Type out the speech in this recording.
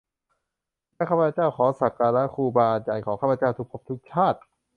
และข้าพเจ้าขอสักการะครูบาอาจารย์ของข้าพเจ้าทุกภพทุกชาติ